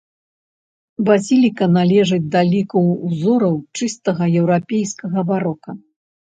Базіліка належыць да ліку ўзораў чыстага еўрапейскага барока.